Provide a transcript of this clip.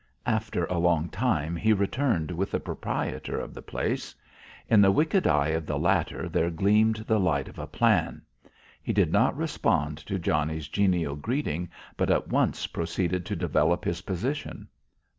After a long time, he returned with the proprietor of the place. In the wicked eye of the latter there gleamed the light of a plan. He did not respond to Johnnie's genial greeting, but at once proceeded to develop his position.